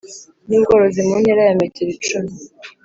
N ubworozi mu ntera ya metero icumi